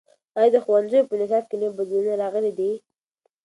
ایا د ښوونځیو په نصاب کې نوي بدلونونه راغلي دي؟